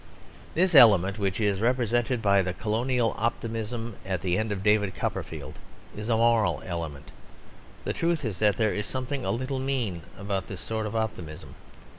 This element which is represented by the colonial optimism at the end of David Copperfield is a moral element. The truth is that there is something a little mean about this sort of optimism.